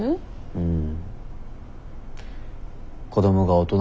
うん。